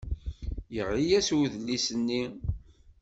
Yeɣli-as udlis-nni.